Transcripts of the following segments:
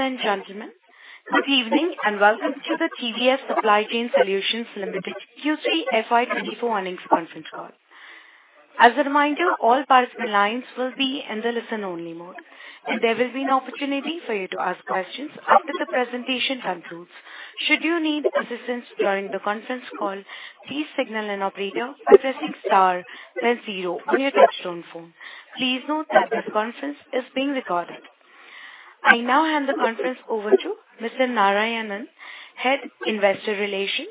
Ladies and gentlemen, good evening, and welcome to the TVS Supply Chain Solutions Limited Q3 FY 2024 earnings conference call. As a reminder, all participant lines will be in the listen-only mode, and there will be an opportunity for you to ask questions after the presentation concludes. Should you need assistance during the conference call, please signal an operator by pressing star then zero on your touchtone phone. Please note that this conference is being recorded. I now hand the conference over to Mr. Narayanan, Head Investor Relations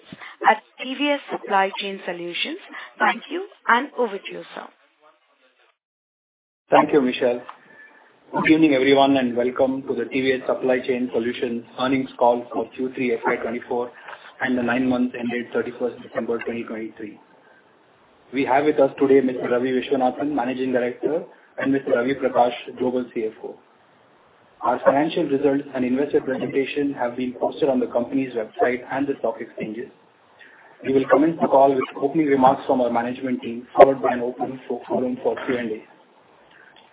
at TVS Supply Chain Solutions. Thank you, and over to you, sir. Thank you, Michelle. Good evening, everyone, and welcome to the TVS Supply Chain Solutions earnings call for Q3 FY 2024 and the nine months ended 31st December 2023. We have with us today Mr. Ravi Viswanathan, Managing Director, and Mr. Ravi Prakash, Global CFO. Our financial results and investor presentation have been posted on the company's website and the stock exchanges. We will commence the call with opening remarks from our management team, followed by an open forum for Q&A.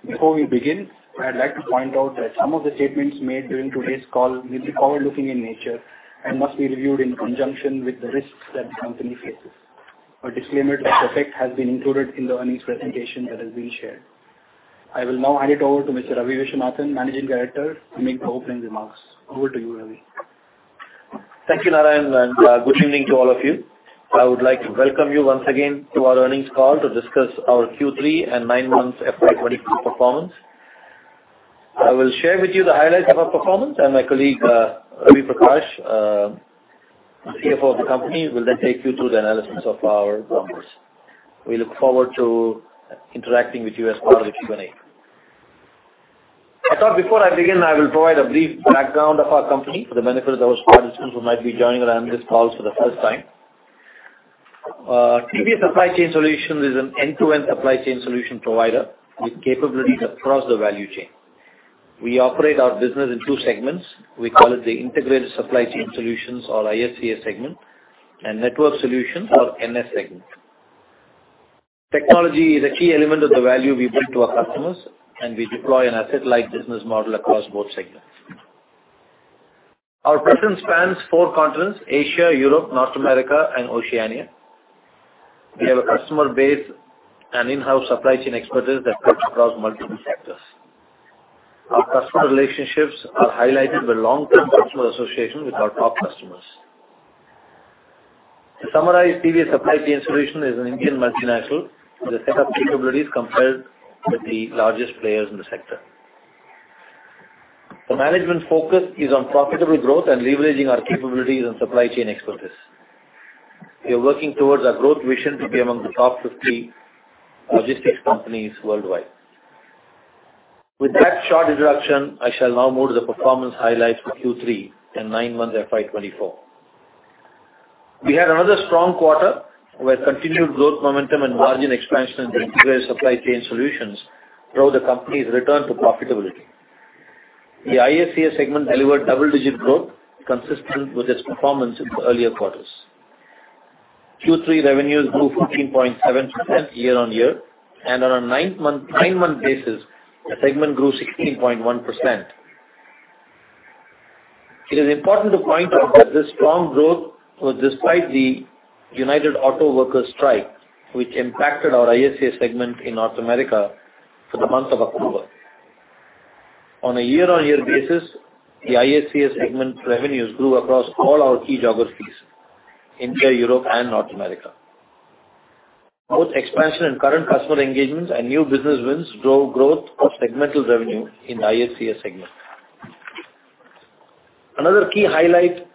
Before we begin, I'd like to point out that some of the statements made during today's call will be forward-looking in nature and must be reviewed in conjunction with the risks that the company faces. A disclaimer to effect has been included in the earnings presentation that has been shared. I will now hand it over to Mr. Ravi Viswanathan, Managing Director, to make the opening remarks. Over to you, Ravi. Thank you, Narayanan, and good evening to all of you. I would like to welcome you once again to our earnings call to discuss our Q3 and nine months FY 2024 performance. I will share with you the highlights of our performance, and my colleague, Ravi Prakash, CFO of the company, will then take you through the analysis of our performance. We look forward to interacting with you as part of the Q&A. I thought before I begin, I will provide a brief background of our company for the benefit of those participants who might be joining us on this call for the first time. TVS Supply Chain Solutions is an end-to-end supply chain solution provider with capabilities across the value chain. We operate our business in two segments. We call it the Integrated Supply Chain Solutions, or ISCS segment, and Network Solutions, or NS segment. Technology is a key element of the value we bring to our customers, and we deploy an asset-light business model across both segments. Our presence spans four continents: Asia, Europe, North America, and Oceania. We have a customer base and in-house supply chain expertise that cuts across multiple sectors. Our customer relationships are highlighted by long-term customer association with our top customers. To summarize, TVS Supply Chain Solutions is an Indian multinational with a set of capabilities compared with the largest players in the sector. The management focus is on profitable growth and leveraging our capabilities and supply chain expertise. We are working towards our growth vision to be among the top 50 logistics companies worldwide. With that short introduction, I shall now move to the performance highlights for Q3 and nine months FY 2024. We had another strong quarter, where continued growth momentum and margin expansion in the Integrated Supply Chain Solutions drove the company's return to profitability. The ISCS segment delivered double-digit growth consistent with its performance in the earlier quarters. Q3 revenues grew 14.7% year-on-year, and on a nine-month, nine-month basis, the segment grew 16.1%. It is important to point out that this strong growth was despite the United Auto Workers strike, which impacted our ISCS segment in North America for the month of October. On a year-on-year basis, the ISCS segment revenues grew across all our key geographies, India, Europe, and North America. Both expansion and current customer engagements and new business wins drove growth of segmental revenue in the ISCS segment. Another key highlight of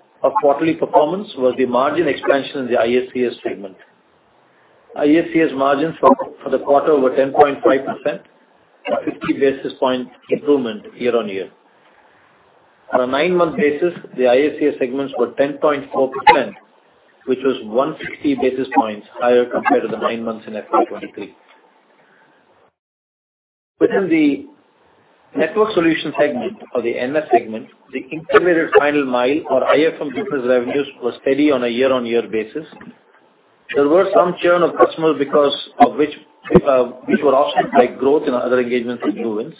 quarterly performance was the margin expansion in the ISCS segment. ISCS margins for the quarter were 10.5%, a 50 basis point improvement year-on-year. On a nine-month basis, the ISCS segments were 10.4%, which was 160 basis points higher compared to the nine months in FY 2023. Within the network solution segment or the NS segment, the Integrated Final Mile or IFM business revenues were steady on a year-on-year basis. There were some churn of customers because of which, which were offset by growth in other engagements and new wins.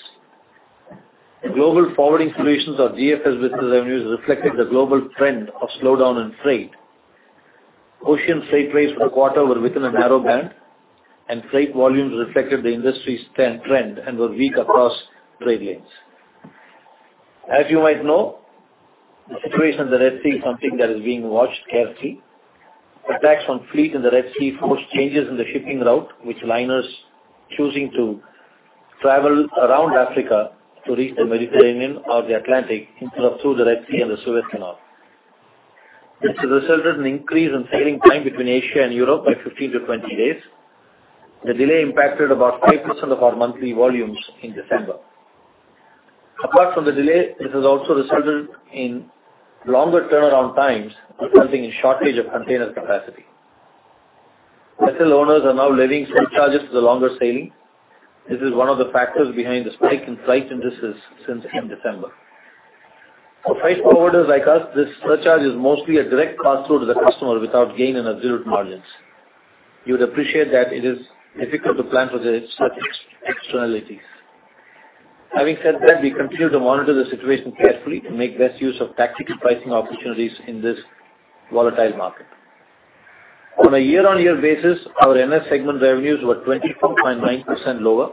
Global Forwarding Solutions or GFS business revenues reflected the global trend of slowdown in freight. Ocean freight rates for the quarter were within a narrow band, and freight volumes reflected the industry's 10- trend and were weak across trade lanes. As you might know, the situation in the Red Sea is something that is being watched carefully. Attacks on fleet in the Red Sea forced changes in the shipping route, with liners choosing to travel around Africa to reach the Mediterranean or the Atlantic instead of through the Red Sea and the Suez Canal. This has resulted in increase in sailing time between Asia and Europe by 15-20 days. The delay impacted about 5% of our monthly volumes in December. Apart from the delay, this has also resulted in longer turnaround times, resulting in shortage of container capacity. Vessel owners are now levying surcharges for the longer sailing. This is one of the factors behind the spike in freight indices since end December. For freight forwarders like us, this surcharge is mostly a direct cost to the customer without gain in absolute margins.... You would appreciate that it is difficult to plan for such externalities. Having said that, we continue to monitor the situation carefully to make best use of tactical pricing opportunities in this volatile market. On a year-on-year basis, our NS segment revenues were 24.9% lower.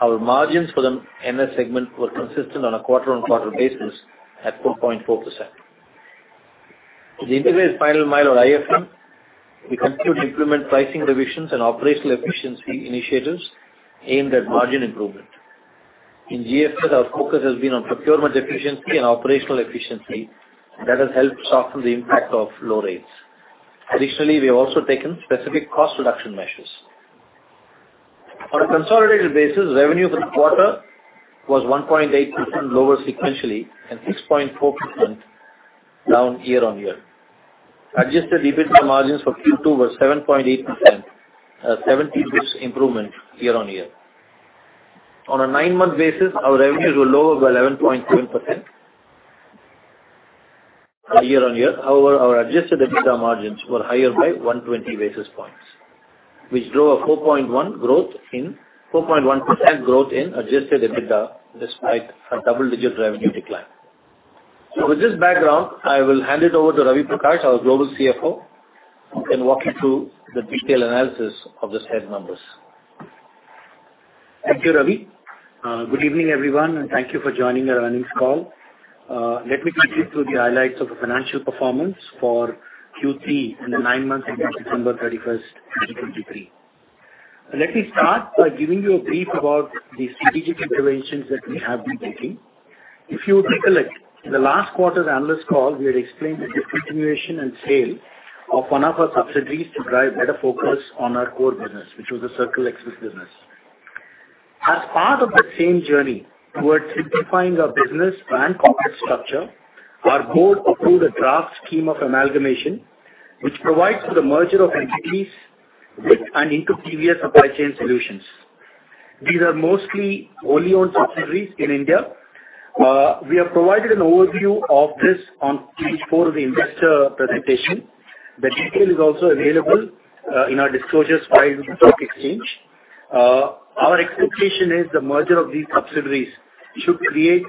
Our margins for the NS segment were consistent on a quarter-on-quarter basis at 4.4%. The Integrated Final Mile or IFM, we continue to implement pricing revisions and operational efficiency initiatives aimed at margin improvement. In GFS, our focus has been on procurement efficiency and operational efficiency, and that has helped soften the impact of low rates. Additionally, we have also taken specific cost reduction measures. On a consolidated basis, revenue for the quarter was 1.8% lower sequentially, and 6.4% down year-on-year. Adjusted EBITDA margins for Q2 were 7.8%, 70 basis points improvement year-on-year. On a nine-month basis, our revenues were lower by 11.2%, year-on-year. However, our adjusted EBITDA margins were higher by 120 basis points, which drove a 4.1% growth in adjusted EBITDA, despite a double-digit revenue decline. So with this background, I will hand it over to Ravi Prakash, our Global CFO, who can walk you through the detailed analysis of these headline numbers. Thank you, Ravi. Good evening, everyone, and thank you for joining our earnings call. Let me take you through the highlights of the financial performance for Q3 in the nine months ending December 31, 2023. Let me start by giving you a brief about the strategic interventions that we have been taking. If you recollect, in the last quarter's analyst call, we had explained that the discontinuation and sale of one of our subsidiaries to drive better focus on our core business, which was theCircle Express business. As part of that same journey towards simplifying our business and corporate structure, our board approved a draft scheme of amalgamation, which provides for the merger of entities with and into TVS Supply Chain Solutions. These are mostly wholly-owned subsidiaries in India. We have provided an overview of this on page 4 of the investor presentation. The detail is also available in our disclosures filed with the stock exchange. Our expectation is the merger of these subsidiaries should create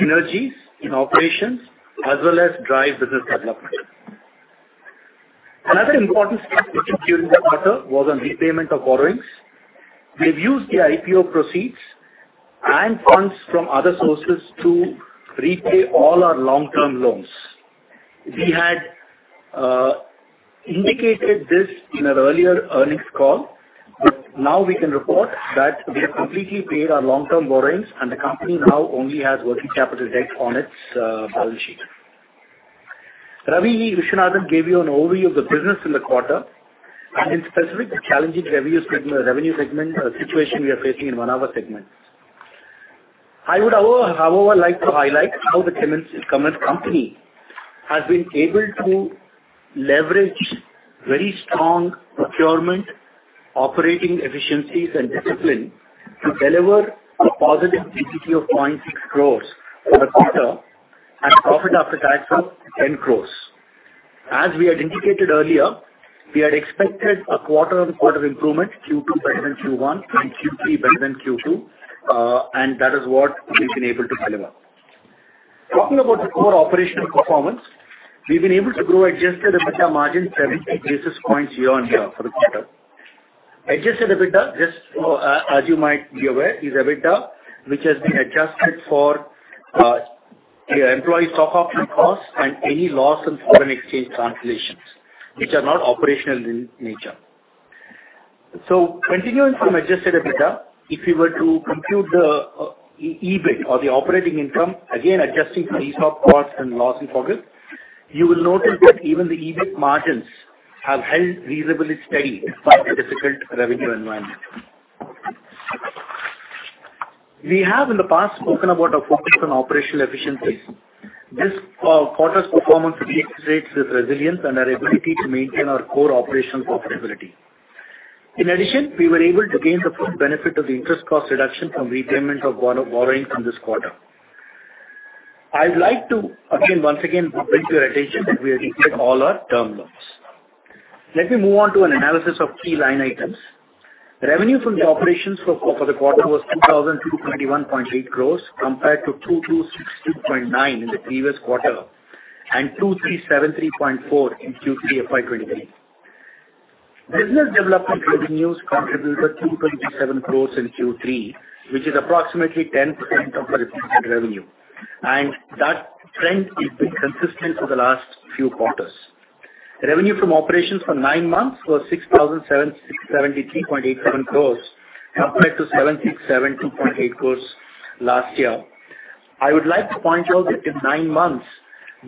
synergies in operations as well as drive business development. Another important step we took during that quarter was on repayment of borrowings. We've used the IPO proceeds and funds from other sources to repay all our long-term loans. We had indicated this in our earlier earnings call, but now we can report that we have completely paid our long-term borrowings, and the company now only has working capital debt on its balance sheet. Ravi Viswanathan gave you an overview of the business in the quarter, and in specific, the challenging revenue segment situation we are facing in one of our segments. I would however like to highlight how the China... The company has been able to leverage very strong procurement, operating efficiencies, and discipline to deliver a positive EBITDA of 0.6 crores for the quarter and profit after tax of 10 crores. As we had indicated earlier, we had expected a quarter-on-quarter improvement, Q2 better than Q1 and Q3 better than Q2, and that is what we've been able to deliver. Talking about the core operational performance, we've been able to grow adjusted EBITDA margins 7 basis points year-on-year for the quarter. Adjusted EBITDA, just, as you might be aware, is EBITDA, which has been adjusted for, the employee stock option costs and any loss in foreign exchange translations, which are not operational in nature. So continuing from Adjusted EBITDA, if you were to compute the EBIT or the operating income, again, adjusting for ESOP costs and loss in Forex, you will notice that even the EBIT margins have held reasonably steady by the difficult revenue environment. We have in the past spoken about our focus on operational efficiencies. This quarter's performance demonstrates this resilience and our ability to maintain our core operational profitability. In addition, we were able to gain the full benefit of the interest cost reduction from repayment of borrowing from this quarter. I'd like to again, once again, bring to your attention that we have repaid all our term loans. Let me move on to an analysis of key line items. Revenue from operations for the quarter was 2,221.8 crores, compared to 2,262.9 in the previous quarter, and 2,373.4 in Q3 of FY 2023. Business development revenues contributed to 27 crores in Q3, which is approximately 10% of the recent revenue, and that trend has been consistent for the last few quarters. Revenue from operations for nine months was 6,773.87 crores, compared to 7,672.8 crores last year. I would like to point out that in nine months,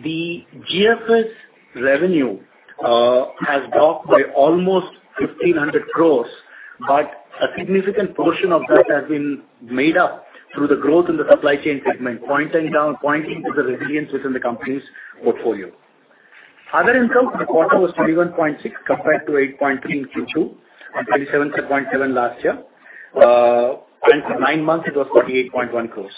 the GFS revenue has dropped by almost 1,500 crores, but a significant portion of that has been made up through the growth in the supply chain segment, pointing to the resilience within the company's portfolio. Other income for the quarter was 21.6 crores, compared to 8.3 crores in Q2 and 27.7 crores last year. And for nine months, it was 38.1 crores.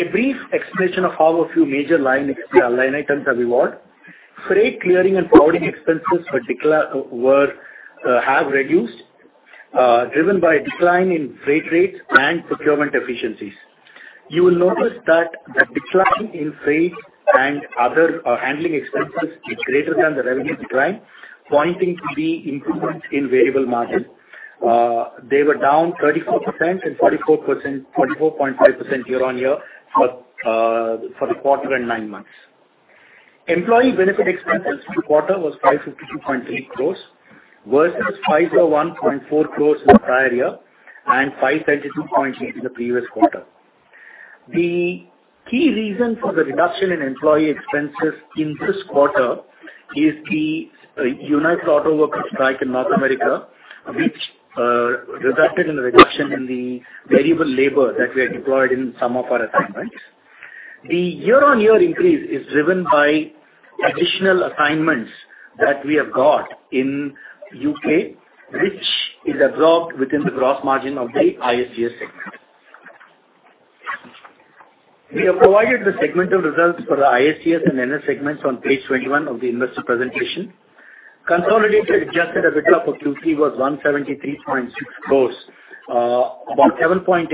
A brief explanation of how a few major line items have evolved. Freight clearing and forwarding expenses particular were have reduced driven by a decline in freight rates and procurement efficiencies. You will notice that the decline in freight and other handling expenses is greater than the revenue decline, pointing to the improvements in variable margin. They were down 34% and 44%, 44.5% year-on-year for the quarter and nine months. Employee benefit expenses for the quarter was 552.3 crores, versus 501.4 crores in the prior year, and 532 point in the previous quarter. The key reason for the reduction in employee expenses in this quarter is the United Auto Workers strike in North America, which resulted in a reduction in the variable labor that we had deployed in some of our assignments. The year-on-year increase is driven by additional assignments that we have got in UK, which is absorbed within the gross margin of the ISCS segment. We have provided the segmental results for the ISCS and NS segments on page 21 of the investor presentation. Consolidated adjusted EBITDA for Q3 was 173.6 crores, about 7.8%,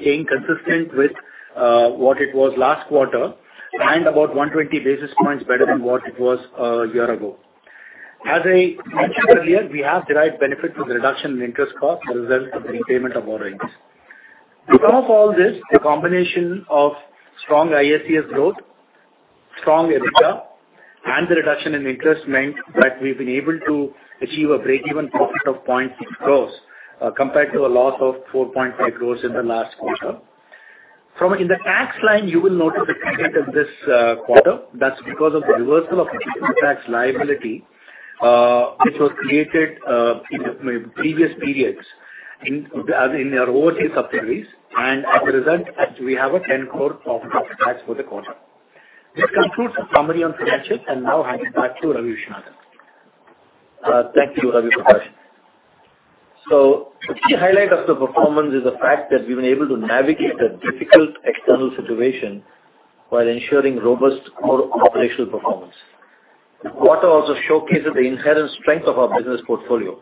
staying consistent with what it was last quarter, and about 120 basis points better than what it was a year ago. As I mentioned earlier, we have derived benefit from the reduction in interest cost as a result of the repayment of borrowings. Because of all this, the combination of strong ISCS growth, strong EBITDA, and the reduction in interest meant that we've been able to achieve a breakeven profit of 0.6 crore, compared to a loss of 4.5 crore in the last quarter. In the tax line, you will note a credit of this quarter. That's because of the reversal of tax liability, which was created in previous periods in our overseas subsidiaries, and as a result, we have a 10 crore profit tax for the quarter. This concludes the summary on financials, and now I hand it back to Ravi Viswanathan. Thank you, Ravi Prakash. So the key highlight of the performance is the fact that we've been able to navigate the difficult external situation while ensuring robust core operational performance. The quarter also showcases the inherent strength of our business portfolio.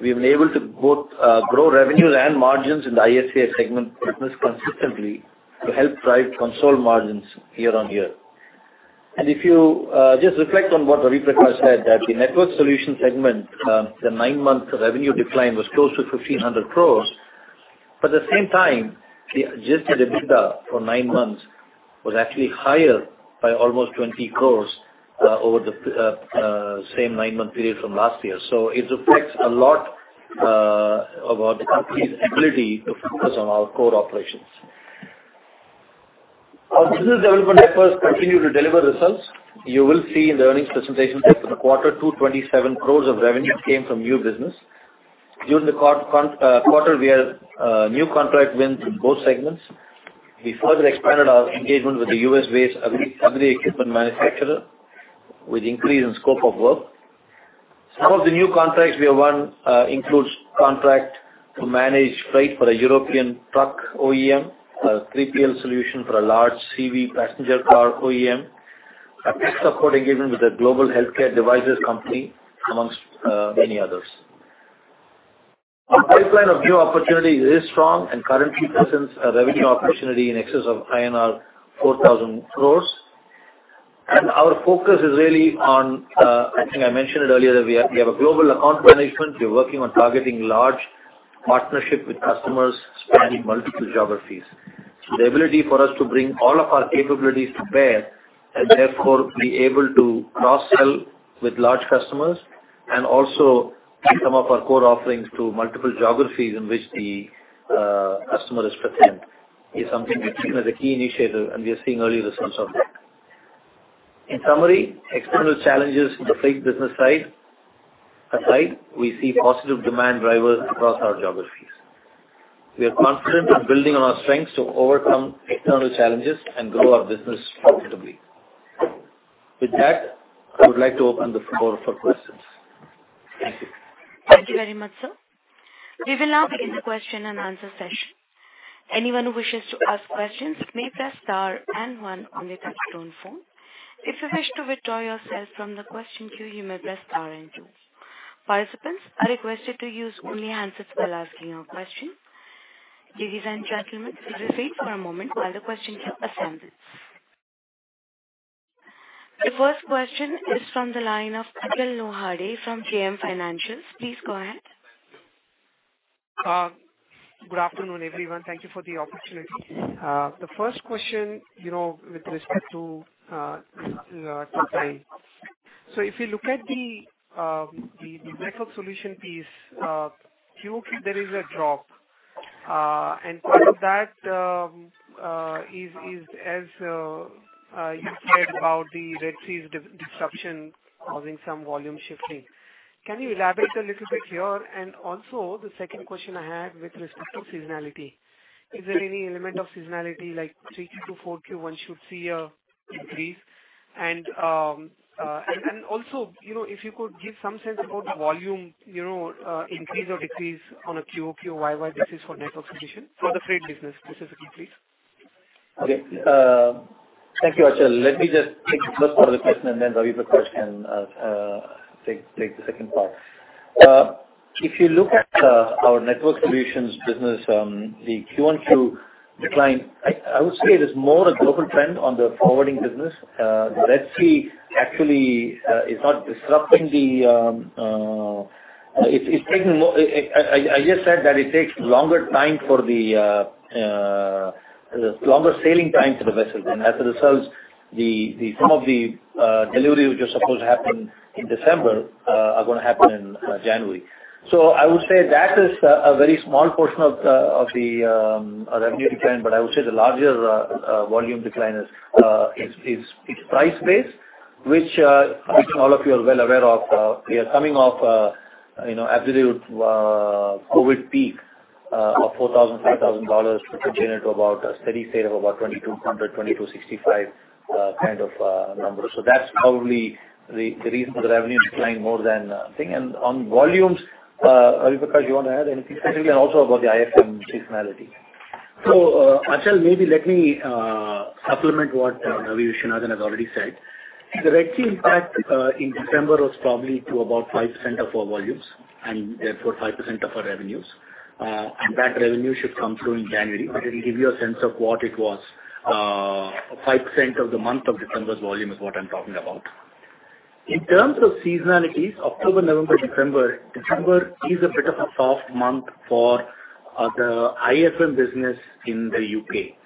We've been able to both grow revenues and margins in the ISCS segment business consistently to help drive consolidated margins year-on-year. And if you just reflect on what Ravi Prakash said, that the Network Solutions segment, the nine-month revenue decline was close to 1,500 crores, but at the same time, the adjusted EBITDA for nine months was actually higher by almost 20 crores over the same nine-month period from last year. So it reflects a lot about the company's ability to focus on our core operations. Our business development efforts continue to deliver results. You will see in the earnings presentation that in the quarter, 227 crores of revenue came from new business. During the quarter, we had new contract wins in both segments. We further expanded our engagement with the U.S.-based agri-equipment manufacturer, with increase in scope of work. Some of the new contracts we have won includes contract to manage freight for a European truck OEM, a 3PL solution for a large CV passenger car OEM, a tech support engagement with a global healthcare devices company, amongst many others. Our pipeline of new opportunities is strong and currently presents a revenue opportunity in excess of INR 4,000 crores. Our focus is really on, I think I mentioned it earlier, that we have, we have a global account management. We are working on targeting large partnership with customers spanning multiple geographies. So the ability for us to bring all of our capabilities to bear and therefore be able to cross-sell with large customers, and also some of our core offerings to multiple geographies in which the customer is present, is something we've seen as a key initiative, and we are seeing early results of that. In summary, external challenges in the freight business side aside, we see positive demand drivers across our geographies. We are confident in building on our strengths to overcome external challenges and grow our business profitably. With that, I would like to open the floor for questions. Thank you. Thank you very much, sir. We will now begin the question-and-answer session. Anyone who wishes to ask questions may press star and one on your touchtone phone. If you wish to withdraw yourself from the question queue, you may press star and two. Participants are requested to use only answers while asking your question. Ladies and gentlemen, please wait for a moment while the question queue assembles. The first question is from the line of Achal Lohade from JM Financial. Please go ahead. Good afternoon, everyone. Thank you for the opportunity. The first question, you know, with respect to the NS. So if you look at the Network Solutions piece, Q3, there is a drop, and part of that is as you said about the Red Sea disruption causing some volume shifting. Can you elaborate a little bit here? And also, the second question I had with respect to seasonality, is there any element of seasonality, like 3Q to 4Q, one should see an increase? And also, you know, if you could give some sense about the volume, you know, increase or decrease on a QOQ, YY basis for Network Solutions, for the freight business specifically, please? Okay, thank you, Achal. Let me just take the first part of the question, and then Ravi Prakash can take the second part. If you look at our network solutions business, the Q1Q decline, I would say it is more a global trend on the forwarding business. The Red Sea actually is not disrupting the, it's taking I just said that it takes longer time for the longer sailing time to the vessels. And as a result, the some of the delivery which are supposed to happen in December are gonna happen in January. So I would say that is a very small portion of the revenue decline, but I would say the larger volume decline is price-based, which all of you are well aware of. We are coming off, you know, absolute COVID peak of $4,000-$5,000, which is about a steady state of about $2,200-$2,265 kind of numbers. So that's probably the reason for the revenue decline more than thing. And on volumes, Ravi Prakash, you want to add anything specifically and also about the IFM seasonality? Achal, maybe let me supplement what Ravi Viswanathan has already said. The Red Sea impact in December was probably to about 5% of our volumes, and therefore, 5% of our revenues. And that revenue should come through in January. It will give you a sense of what it was, 5% of the month of December's volume is what I'm talking about. In terms of seasonalities, October, November, December, December is a bit of a soft month for the IFM business in the U.K.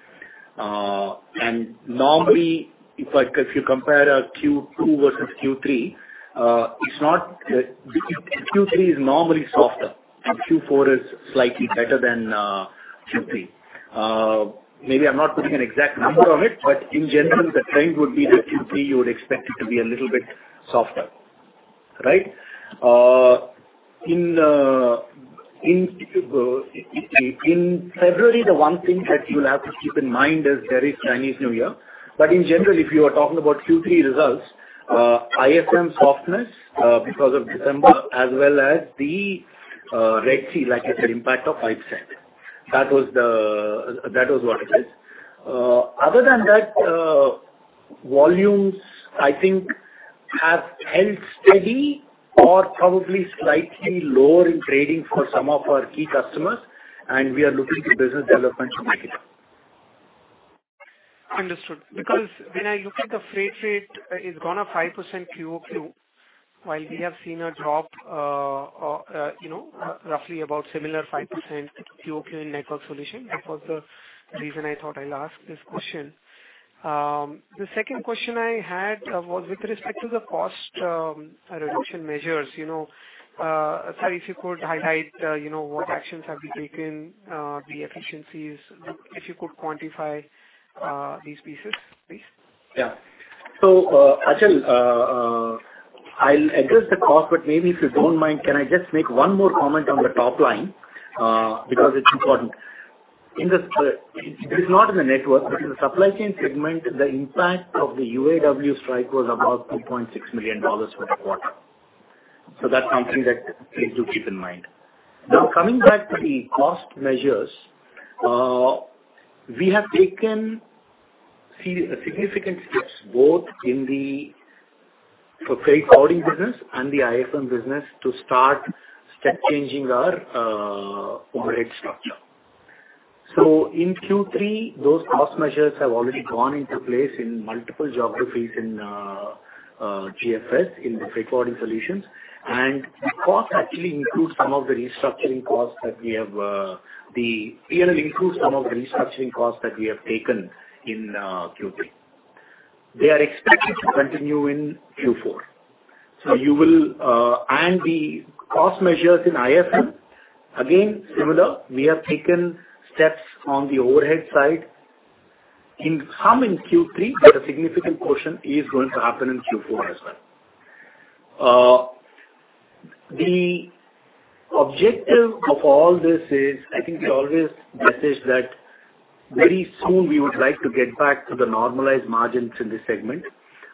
And normally, if you compare a Q2 versus Q3, Q3 is normally softer, and Q4 is slightly better than Q3. Maybe I'm not putting an exact number on it, but in general, the trend would be that Q3, you would expect it to be a little bit softer, right? In, in February, the one thing that you will have to keep in mind is there is Chinese New Year. But in general, if you are talking about Q3 results, IFM softness, because of December, as well as the, Red Sea, like I said, impact of 5%. That was what it is. Other than that, volumes I think have held steady or probably slightly lower in trading for some of our key customers, and we are looking to business development to make it up. Understood. Because when I look at the freight rate, it's gone up 5% QOQ, while we have seen a drop, you know, roughly about similar 5% QOQ in Network Solutions. That was the reason I thought I'll ask this question. The second question I had was with respect to the cost reduction measures. You know, sir, if you could highlight, you know, what actions have been taken, the efficiencies, if you could quantify these pieces, please. Yeah. So, Achal, I'll address the cost, but maybe if you don't mind, can I just make one more comment on the top line? Because it's important. In this, it is not in the network, but in the supply chain segment, the impact of the UAW strike was about $2.6 million for the quarter. So that's something that please do keep in mind. Now, coming back to the cost measures, we have taken significant steps both in the for freight forwarding business and the IFM business to start step changing our overhead structure. So in Q3, those cost measures have already gone into place in multiple geographies in GFS, in the freight forwarding solutions. The cost actually includes some of the restructuring costs that we have, the P&L includes some of the restructuring costs that we have taken in Q3. They are expected to continue in Q4. So you will... The cost measures in IFM, again, similar, we have taken steps on the overhead side in Q3, but a significant portion is going to happen in Q4 as well. The objective of all this is, I think it's always message that very soon we would like to get back to the normalized margins in this segment.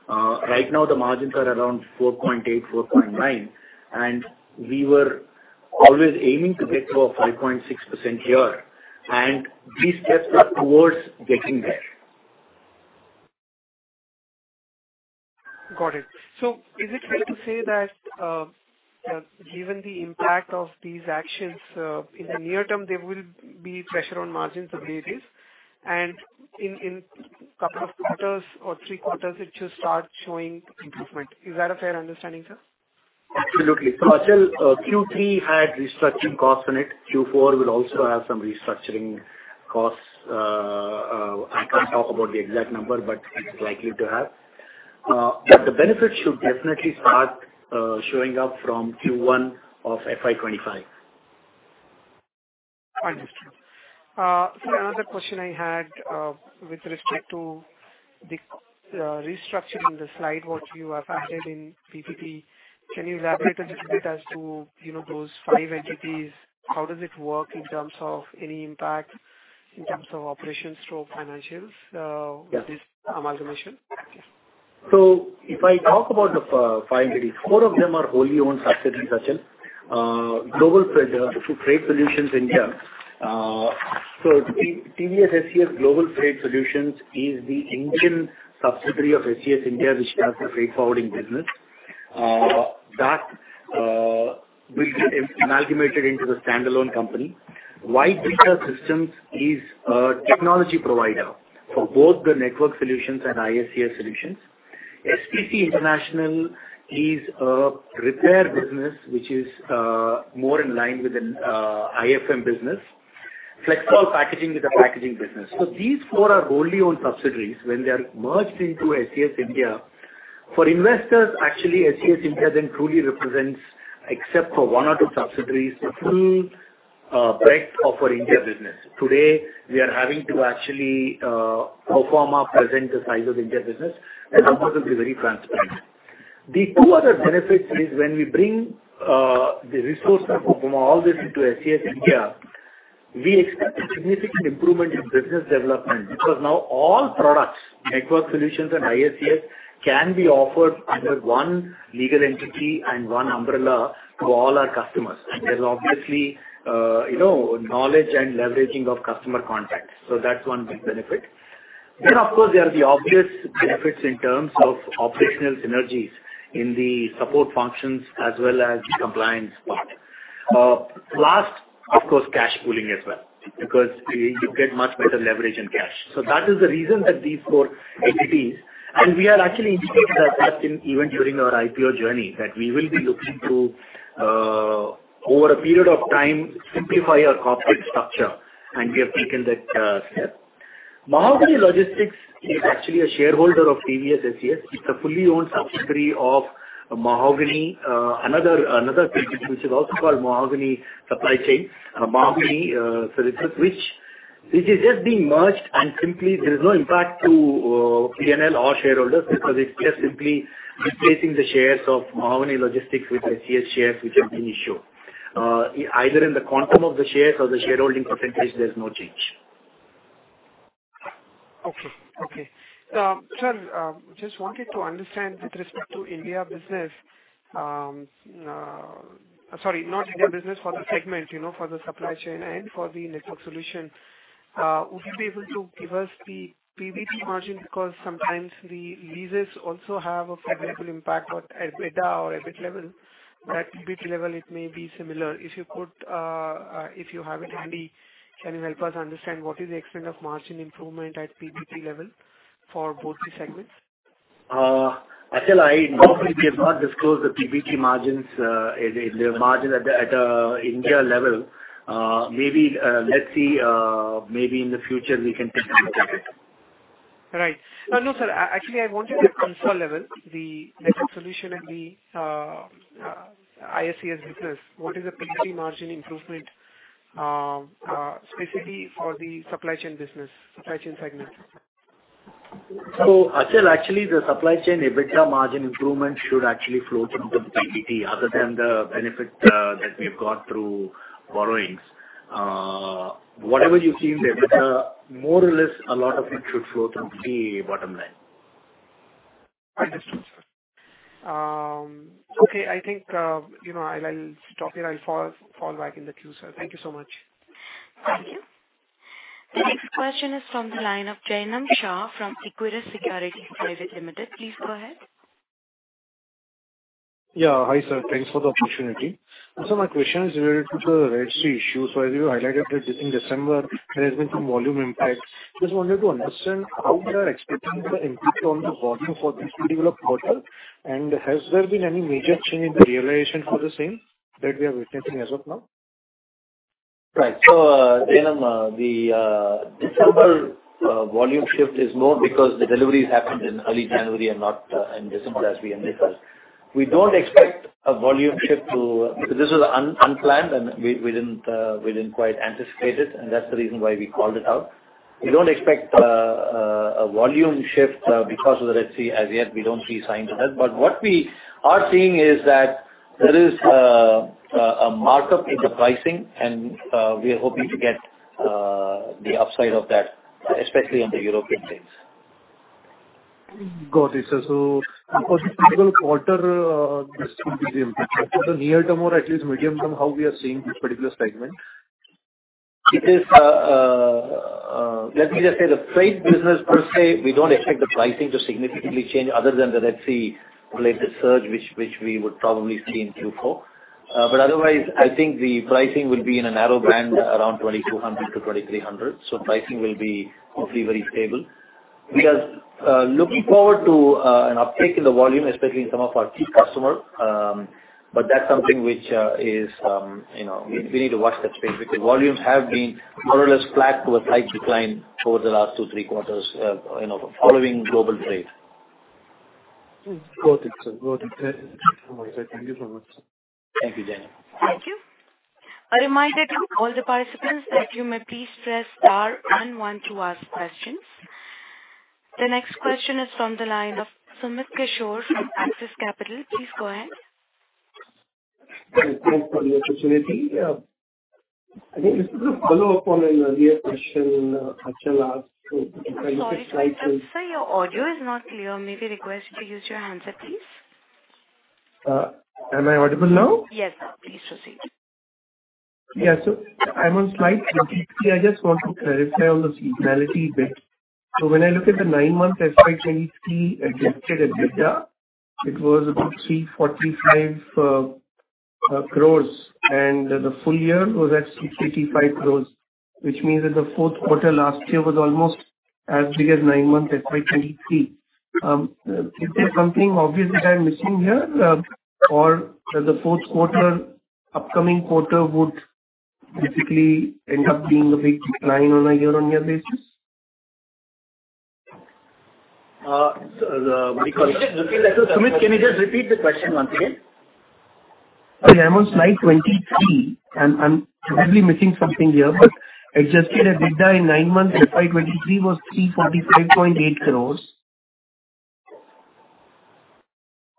Right now, the margins are around 4.8, 4.9, and we were always aiming to get to a 5.6% here, and these steps are towards getting there. Got it. So is it fair to say that, given the impact of these actions, in the near term, there will be pressure on margins of AIS, and in couple of quarters or three quarters, it should start showing improvement? Is that a fair understanding, sir? Absolutely. So Achal, Q3 had restructuring costs in it. Q4 will also have some restructuring costs. I can't talk about the exact number, but it's likely to have. But the benefit should definitely start showing up from Q1 of FY 2025. Understood. Sir, another question I had, with respect to the restructuring the slide, what you have added in PPT. Can you elaborate a little bit as to, you know, those five entities? How does it work in terms of any impact?... in terms of operations through financials? Yes. This amalgamation? So if I talk about the five entities, four of them are wholly owned subsidiaries, Achal. Global Trade, Trade Solutions India, so TVS SCS Global Freight Solutions is the Indian subsidiary of SCS India, which has the freight forwarding business. That will get amalgamated into the standalone company. White Data Systems is a technology provider for both the network solutions and ISCS solutions. SPC International is a repair business, which is more in line with the IFM business. Flexol Packaging is a packaging business. So these four are wholly owned subsidiaries when they are merged into SCS India. For investors, actually, SCS India then truly represents, except for one or two subsidiaries, the full breadth of our India business. Today, we are having to actually pro forma present the size of India business, and of course, it'll be very transparent. The two other benefits is when we bring the resource from all this into SCS India, we expect a significant improvement in business development because now all products, network solutions and ISCS, can be offered under one legal entity and one umbrella to all our customers. There's obviously, you know, knowledge and leveraging of customer contacts, so that's one big benefit. Then, of course, there are the obvious benefits in terms of operational synergies in the support functions as well as the compliance part. Last, of course, cash pooling as well, because you get much better leverage and cash. So that is the reason that these four entities... And we have actually indicated as such in even during our IPO journey, that we will be looking to, over a period of time, simplify our corporate structure, and we have taken that, step. Mahogany Logistics is actually a shareholder of TVS SCS. It's a fully owned subsidiary of Mahogany, another company, which is also called Mahogany Supply Chain. And Mahogany, so which is just being merged and simply there is no impact to PNL or shareholders, because it's just simply replacing the shares of Mahogany Logistics with SCS shares, which have been issued. Either in the quantum of the shares or the shareholding percentage, there's no change. Okay. Okay. Sir, just wanted to understand with respect to India business, sorry, not India business, for the segment, you know, for the supply chain and for the network solution. Would you be able to give us the PBT margin? Because sometimes the leases also have a favorable impact on EBITDA or EBIT level, but PBT level, it may be similar. If you could, if you have it handy, can you help us understand what is the extent of margin improvement at PBT level for both the segments? Achal, I normally we have not disclosed the PBT margins, in the margin at the, at the India level. Maybe, let's see, maybe in the future we can take a look at it. Right. No, sir, actually, I wanted at consolidated level, the Network Solutions and the ISCS business. What is the PBT margin improvement, specifically for the supply chain business, supply chain segment? So, Achal, actually, the supply chain EBITDA margin improvement should actually flow through the PBT, other than the benefit that we've got through borrowings. Whatever you see there, but, more or less, a lot of it should flow through the bottom line. I understand, sir. Okay, I think, you know, I'll stop here. I'll fall back in the queue, sir. Thank you so much. Thank you. The next question is from the line of Jainam Shah from Equirus Securities Private Limited. Please go ahead. Yeah. Hi, sir. Thanks for the opportunity. So my question is related to the Red Sea issue. So as you highlighted that just in December, there has been some volume impact. Just wanted to understand how we are expecting the impact on the volume for this particular quarter, and has there been any major change in the realization for the same that we are witnessing as of now? Right. So, Jainam, the December volume shift is more because the deliveries happened in early January and not in December, as we anticipated. We don't expect a volume shift to... This is unplanned, and we didn't quite anticipate it, and that's the reason why we called it out. We don't expect a volume shift because of the Red Sea. As yet, we don't see signs of that. But what we are seeing is that there is a markup in the pricing, and we are hoping to get the upside of that, especially on the European trades. Got it, sir. So for the quarter, near term or at least medium term, how we are seeing this particular segment? It is, let me just say, the trade business per se, we don't expect the pricing to significantly change other than the Red Sea-related surge, which we would probably see in Q4. But otherwise, I think the pricing will be in a narrow band around $2,200-$2,300. So pricing will be hopefully very stable. We are looking forward to an uptick in the volume, especially in some of our key customer, but that's something which is, you know, we need to watch that space, because volumes have been more or less flat to a tight decline over the last two, three quarters, you know, following global trade. Got it, sir. Got it. Thank you so much. Thank you, Jainam. Thank you. A reminder to all the participants that you may please press star and one to ask questions. The next question is from the line of Sumit Kishore from Axis Capital. Please go ahead. Thanks for the opportunity. I think this is a follow-up on an earlier question, Achal asked. I'm sorry, sir. Sir, your audio is not clear. May we request you to use your handset, please? Am I audible now? Yes, sir. Please proceed. Yeah. So I'm on slide 20. See, I just want to clarify on the seasonality bit. So when I look at the nine-month FY 2023 Adjusted EBITDA, it was about 345 crores, and the full year was at 655 crores, which means that the fourth quarter last year was almost as big as nine-month FY 2023. Is there something obviously I'm missing here, or the fourth quarter, upcoming quarter would basically end up being a big decline on a year-on-year basis? Sumit, can you just repeat the question once again? I am on slide 23, and I'm probably missing something here, but adjusted EBITDA in nine months FY 2023 was INR 345.8 crores.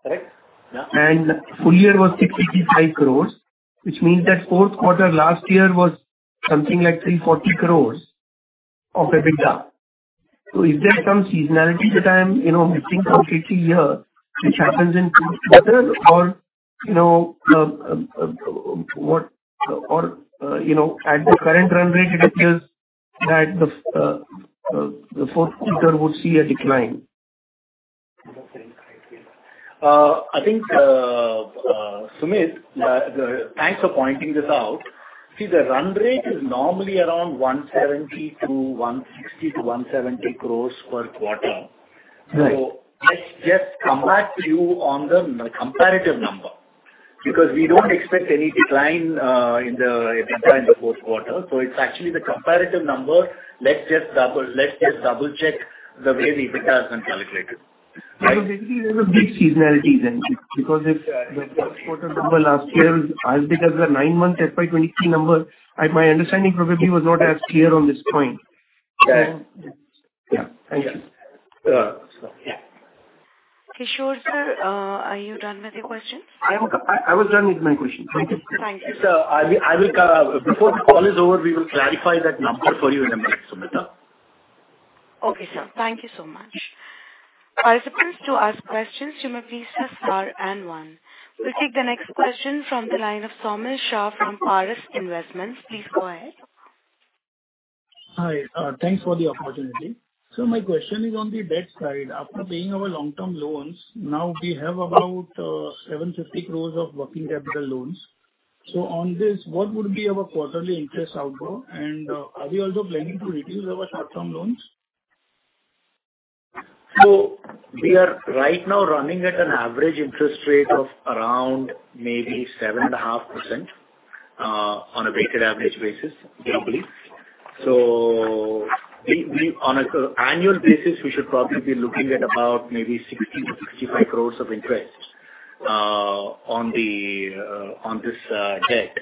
Right. Yeah. Full year was 65 crore, which means that fourth quarter last year was something like 340 crore of EBITDA. So is there some seasonality that I'm, you know, missing completely here, which happens in fourth quarter or, you know, at the current run rate, it appears that the fourth quarter would see a decline. I think, Sumit, thanks for pointing this out. See, the run rate is normally around 160-170 crores per quarter. Right. So let's just come back to you on the comparative number, because we don't expect any decline in the EBITDA in the fourth quarter. So it's actually the comparative number. Let's just double-check the way the EBITDA has been calculated. Basically, there's a big seasonality then, because if the fourth quarter number last year was as big as the nine-month FY 2023 number, I, my understanding probably was not as clear on this point. Yeah. Yeah. Thank you. So yeah. Kishore, sir, are you done with your questions? I was done with my questions. Thank you. Thank you. Sir, I will, before the call is over, we will clarify that number for you in a minute, Sumit. Okay, sir. Thank you so much. Participants, to ask questions, you may please press star and one. We'll take the next question from the line of Saumil Shah from Paras Investments. Please go ahead. Hi. Thanks for the opportunity. So my question is on the debt side. After paying our long-term loans, now we have about 750 crores of working capital loans. So on this, what would be our quarterly interest outflow? And, are we also planning to reduce our short-term loans? So we are right now running at an average interest rate of around maybe 7.5%, on a weighted average basis, I believe. So we, on an annual basis, we should probably be looking at about maybe 60-65 crores of interest, on the, on this, debt,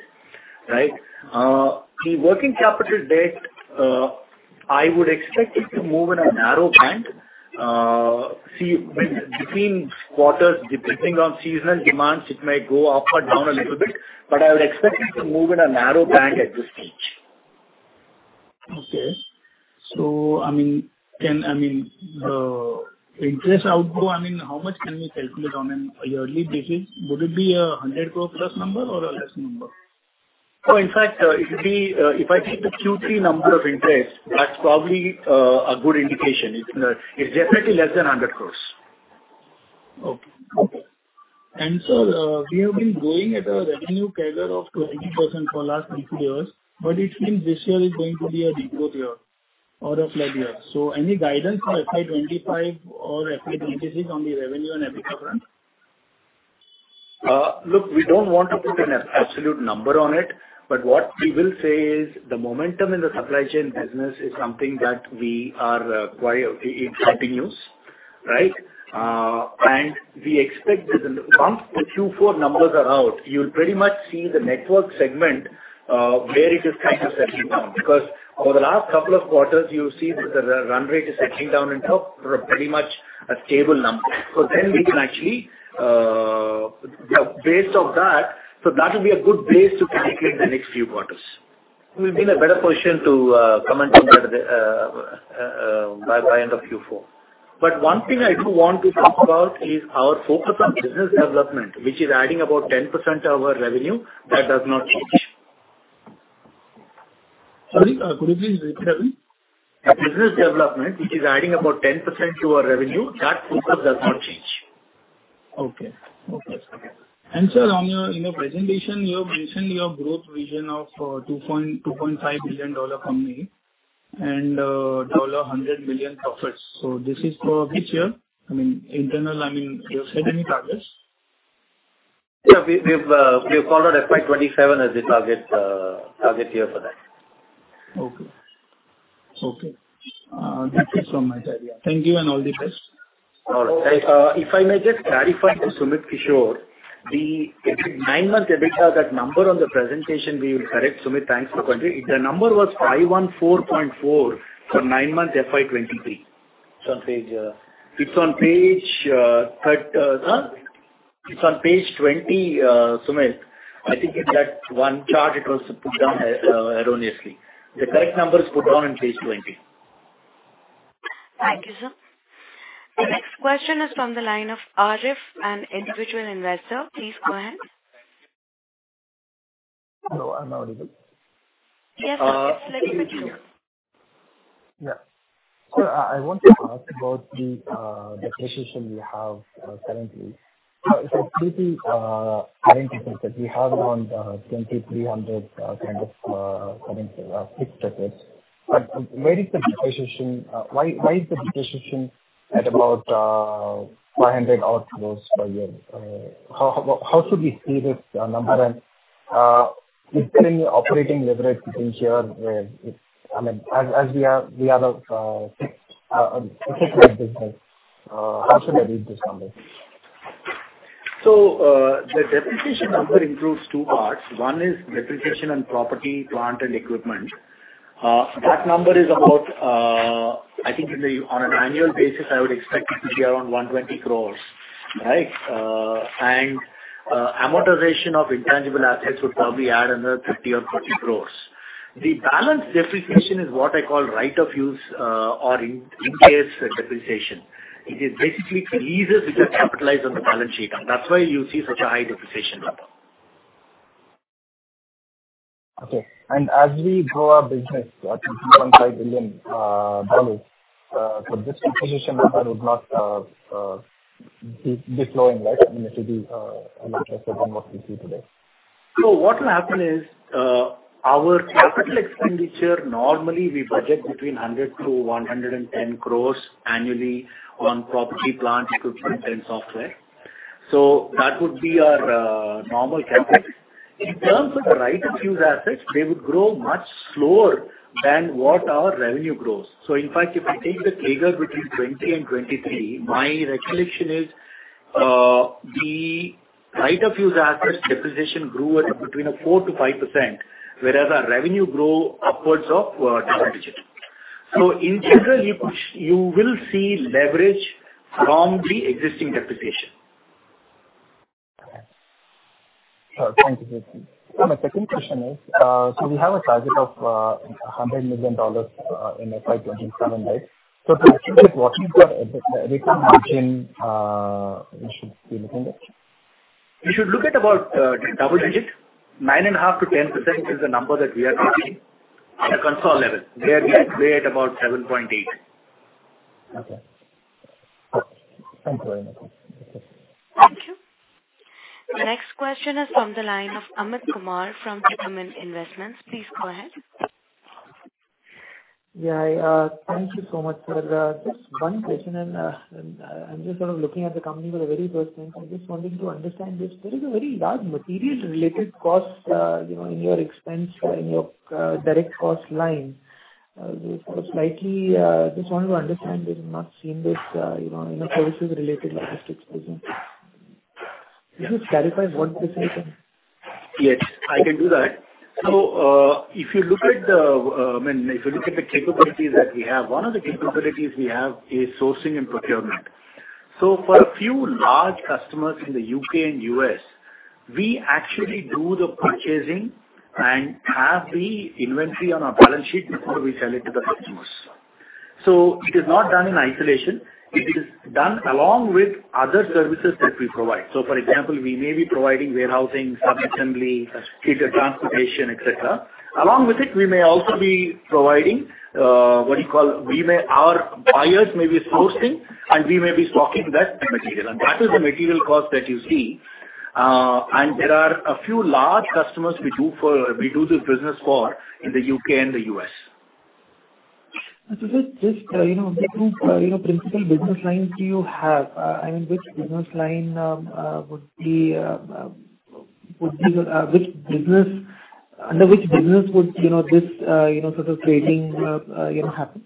right? The working capital debt, I would expect it to move in a narrow band. See, between quarters, depending on seasonal demands, it may go up or down a little bit, but I would expect it to move in a narrow band at this stage. Okay. So I mean, I mean, interest outflow, I mean, how much can we calculate on a yearly basis? Would it be 100 crore plus number or a less number? Oh, in fact, it would be, if I take the Q3 number of interest, that's probably a good indication. It's definitely less than 100 crore. Okay. Sir, we have been going at a revenue CAGR of 20% for the last two years, but it seems this year is going to be a de-growth year or a flat year. Any guidance on FY 2025 or FY 2026 on the revenue and EBITDA front? Look, we don't want to put an absolute number on it, but what we will say is the momentum in the supply chain business is something that we are quite it continues, right? And we expect that once the Q4 numbers are out, you'll pretty much see the network segment where it is kind of settling down. Because over the last couple of quarters, you've seen that the run rate is settling down into a pretty much a stable number. So then we can actually yeah, based off that, so that will be a good base to calculate the next few quarters. We'll be in a better position to comment on that by end of Q4. But one thing I do want to talk about is our focus on business development, which is adding about 10% of our revenue. That does not change. Sorry, could you please repeat that again? Business development, which is adding about 10% to our revenue, that focus does not change. Okay. Okay. And, sir, on your, in your presentation, you have mentioned your growth vision of, 2.25 billion-dollar company and, $100 million profits. So this is for which year? I mean, internal, I mean, you have set any targets? Yeah, we've followed FY 2027 as the target year for that. Okay. Okay. That's it from my side. Yeah. Thank you and all the best. All right. If I may just clarify for Sumit Kishore, the nine-month EBITDA, that number on the presentation, we will correct, Sumit, thanks for pointing. The number was 514.4 for nine-month FY 2023. It's on page three. It's on page 20, Sumit. I think in that one chart, it was put down erroneously. The correct number is put down on page 20. Thank you, sir. The next question is from the line of Arif, an individual investor. Please go ahead. Hello, I'm audible. Yes, sir. Clearly we can hear. Yeah. So I want to ask about the depreciation you have currently. So basically, I think that we have around 2,300 kind of coming fixed assets. But where is the depreciation? Why is the depreciation at about 500 odd crore per year? How should we see this number? And with any operating leverage here, I mean, as we are a fixed business, how should I read this number? So, the depreciation number includes two parts. One is depreciation on property, plant, and equipment. That number is about, I think in the... On an annual basis, I would expect it to be around 120 crores, right? And, amortization of intangible assets would probably add another 50 crores or 30 crores. The balance depreciation is what I call right of use, or in-case depreciation. It is basically leases which are capitalized on the balance sheet, and that's why you see such a high depreciation level. Okay. And as we grow our business to $2.5 billion, so this depreciation number would not be slowing, right? I mean, it should be much lesser than what we see today. So what will happen is, our capital expenditure, normally we budget between 100-110 crores annually on property, plant, equipment, and software. So that would be our, normal CapEx. In terms of the right of use assets, they would grow much slower than what our revenue grows. So in fact, if I take the CAGR between 2020 and 2023, my recollection is, the right of use assets depreciation grew at between a 4%-5%, whereas our revenue grew upwards of, double digits. So in general, you, you will see leverage from the existing depreciation. Thank you. So my second question is, so we have a target of $100 million in the 2027, right? So to achieve it, what's the return margin we should be looking at? You should look at about double digits. 9.5%-10% is the number that we are seeing at the consolidated level. We are today at about 7.8%. Okay. Thank you very much. Thank you. The next question is from the line of Amit Kumar from Shikhar Investments. Please go ahead. Yeah, thank you so much, sir. Just one question, and I'm just sort of looking at the company for the very first time. I'm just wanting to understand this. There is a very large materials-related cost, you know, in your expense, in your direct cost line. So slightly, just want to understand, we've not seen this, you know, in a services-related logistics business. Can you clarify what this is? Yes, I can do that. So, if you look at the, I mean, if you look at the capabilities that we have, one of the capabilities we have is sourcing and procurement. So for a few large customers in the U.K. and U.S., we actually do the purchasing and have the inventory on our balance sheet before we sell it to the customers. So it is not done in isolation. It is done along with other services that we provide. So, for example, we may be providing warehousing, sub-assembly, freight transportation, et cetera. Along with it, we may also be providing, what do you call? We may... Our buyers may be sourcing, and we may be stocking that material, and that is the material cost that you see. There are a few large customers we do for, we do this business for in the U.K. and the U.S. So is this, you know, different, you know, principal business lines do you have? I mean, which business line would be, would be the, which business— Under which business would, you know, this, you know, sort of trading, you know, happen?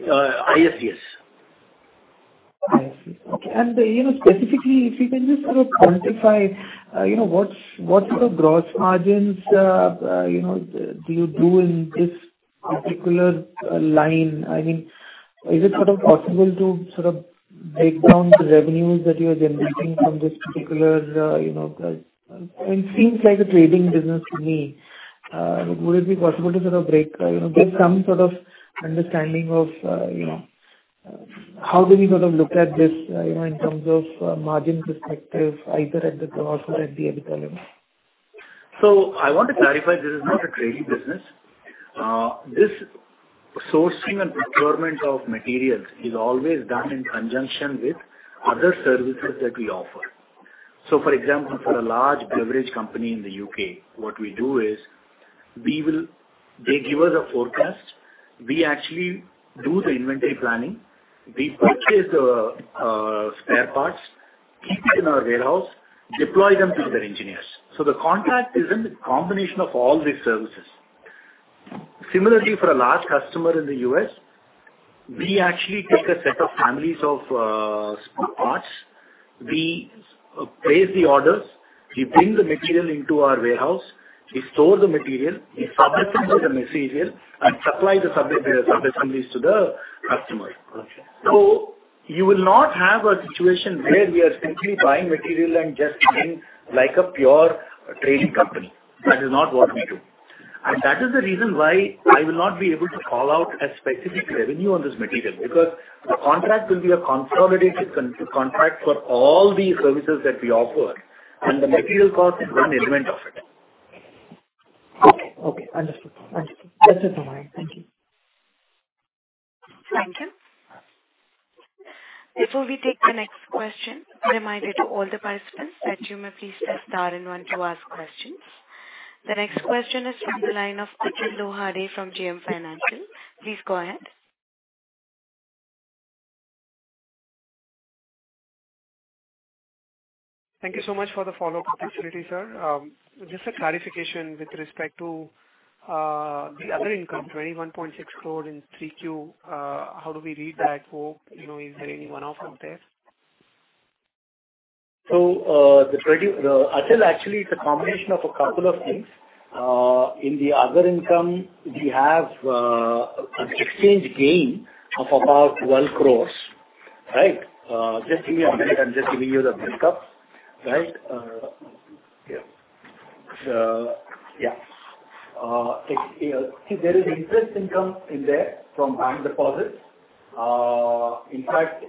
ISDS. ISCS. Okay. And, you know, specifically, if you can just sort of quantify, you know, what's, what's the gross margins, you know, do you do in this particular line? I mean, is it sort of possible to sort of break down the revenues that you are generating from this particular, you know... It seems like a trading business to me. Would it be possible to sort of break, you know, give some sort of understanding of, you know, how do we sort of look at this, you know, in terms of, margin perspective, either at the gross or at the EBITDA level? So I want to clarify, this is not a trading business. This sourcing and procurement of materials is always done in conjunction with other services that we offer. So, for example, for a large beverage company in the U.K., what we do is, They give us a forecast. We actually do the inventory planning. We purchase the spare parts, keep it in our warehouse, deploy them to their engineers. So the contract is in the combination of all these services. Similarly, for a large customer in the U.S., we actually take a set of families of spare parts. We place the orders, we bring the material into our warehouse, we store the material, we submit the material, and supply the subassemblies to the customer. Got you. So you will not have a situation where we are simply buying material and just sitting like a pure trading company. That is not what we do. And that is the reason why I will not be able to call out a specific revenue on this material, because the contract will be a consolidated contract for all the services that we offer, and the material cost is one element of it. Okay, okay. Understood. Understood. That's just fine. Thank you. Thank you. Before we take the next question, a reminder to all the participants that you may please press star and one to ask questions. The next question is from the line of Achal Lohade from JM Financial. Please go ahead. Thank you so much for the follow-up opportunity, sir. Just a clarification with respect to the other income, 21.6 crore in Q3. How do we read that? Or, you know, is there any one-off in there? So, Achal, actually, it's a combination of a couple of things. In the other income, we have an exchange gain of about 12 crores, right? Just give me a minute. I'm just giving you the breakup, right? Yeah. So, yeah, see, there is interest income in there from bank deposits. In fact,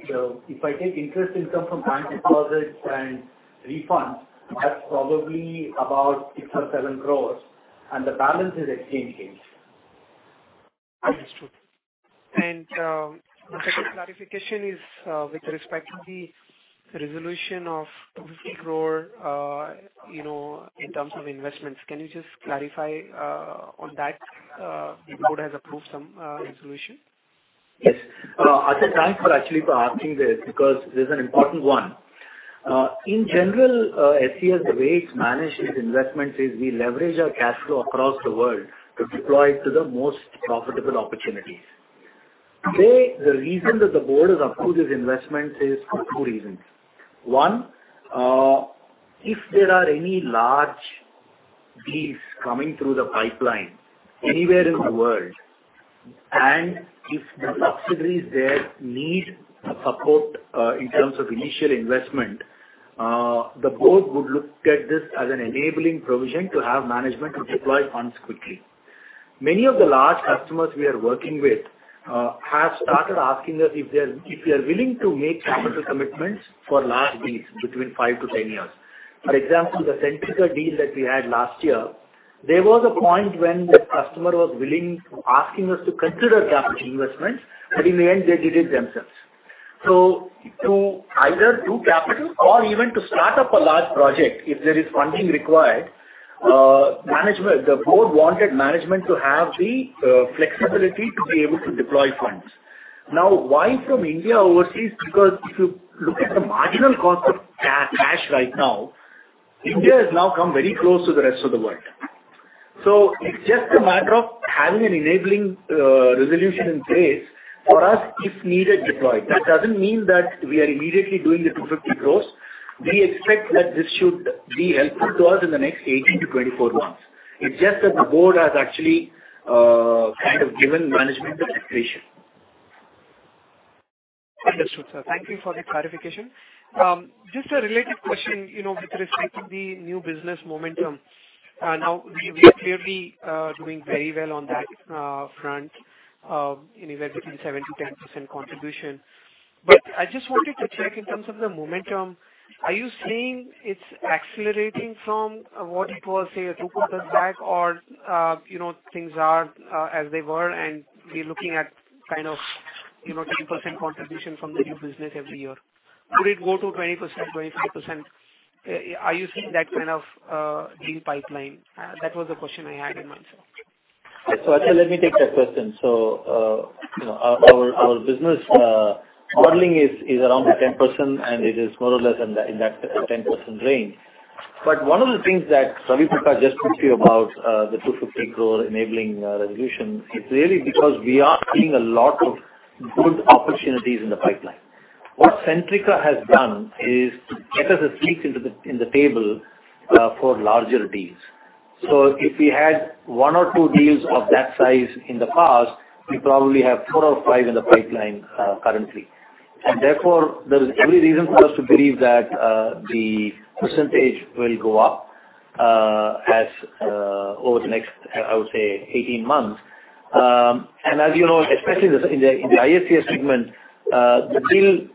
if I take interest income from bank deposits and refunds, that's probably about 6 or 7 crores, and the balance is exchange gains. Understood. The second clarification is with respect to the resolution of 250 crore, you know, in terms of investments. Can you just clarify on that, the board has approved some resolution? Yes. Achal, thanks for actually for asking this, because this is an important one. In general, SCS, the way it manages its investments is we leverage our cash flow across the world to deploy to the most profitable opportunities. Today, the reason that the board has approved this investment is for two reasons. One, if there are any large deals coming through the pipeline anywhere in the world, and if the subsidiaries there need support, in terms of initial investment, the board would look at this as an enabling provision to have management to deploy funds quickly. Many of the large customers we are working with have started asking us if they're, if we are willing to make capital commitments for large deals between five to 10 years. For example, the Centrica deal that we had last year, there was a point when the customer was willing, asking us to consider capital investments, but in the end, they did it themselves. So to either do capital or even to start up a large project, if there is funding required, management. The board wanted management to have the flexibility to be able to deploy funds. Now, why from India overseas? Because if you look at the marginal cost of cash right now, India has now come very close to the rest of the world. So it's just a matter of having an enabling resolution in place for us, if needed, deploy. That doesn't mean that we are immediately doing the 250 crores. We expect that this should be helpful to us in the next 18-24 months. It's just that the board has actually kind of given management the discretion. Understood, sir. Thank you for the clarification. Just a related question, you know, with respect to the new business momentum. Now, we are clearly doing very well on that front, anywhere between 7%-10% contribution. But I just wanted to check in terms of the momentum, are you saying it's accelerating from what it was, say, a two quarters back, or, you know, things are as they were, and we're looking at kind of, you know, 10% contribution from the new business every year? Could it go to 20%, 25%? Are you seeing that kind of deal pipeline? That was the question I had in mind, sir. So, Achal, let me take that question. So, you know, our business modeling is around the 10%, and it is more or less in that 10% range. But one of the things that Raviprakash just told you about, the 250 crore enabling resolution, is really because we are seeing a lot of good opportunities in the pipeline. What Centrica has done is to get us a seat at the table for larger deals. So if we had one or two deals of that size in the past, we probably have four or five in the pipeline currently. And therefore, there is every reason for us to believe that the percentage will go up over the next, I would say, 18 months. And as you know, especially in the ISCS segment, the deal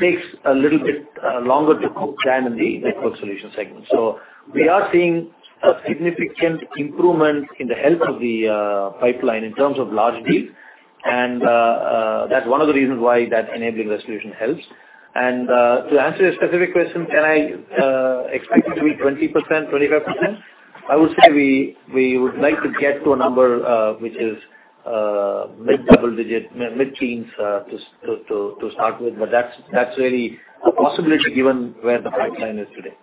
takes a little bit longer to cook than in the Network Solutions segment. So we are seeing a significant improvement in the health of the pipeline in terms of large deals, and that's one of the reasons why that enabling resolution helps. And to answer your specific question, can I expect it to be 20%, 25%? I would say we would like to get to a number which is mid-double digit, mid-teens to start with, but that's really a possibility given where the pipeline is today.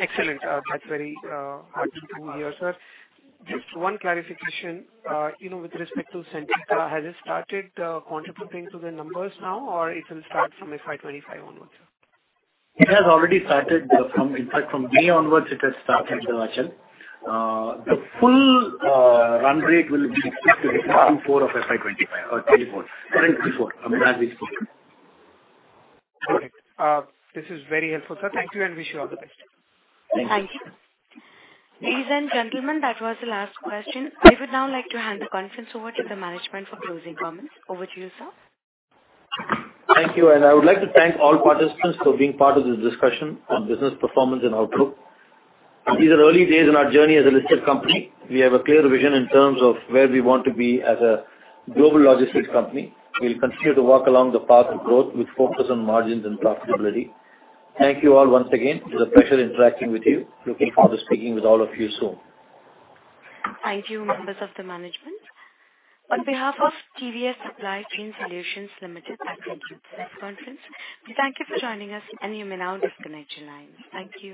Excellent. That's very heartening to hear, sir. Just one clarification, you know, with respect to Centrica. Has it started contributing to the numbers now, or it will start from FY 2025 onwards? It has already started. From, in fact, from May onwards, it has started, Achal. The full run rate will be expected in Q4 of FY 2025 or 2024. Currently Q4, I mean, that is Q4. Great. This is very helpful, sir. Thank you, and wish you all the best. Thank you. Thank you. Ladies and gentlemen, that was the last question. I would now like to hand the conference over to the management for closing comments. Over to you, sir. Thank you, and I would like to thank all participants for being part of this discussion on business performance and outlook. These are early days in our journey as a listed company. We have a clear vision in terms of where we want to be as a global logistics company. We'll continue to work along the path of growth with focus on margins and profitability. Thank you all once again. It's a pleasure interacting with you. Looking forward to speaking with all of you soon. Thank you, members of the management. On behalf of TVS Supply Chain Solutions Limited, I thank you for this conference. We thank you for joining us, and you may now disconnect your lines. Thank you.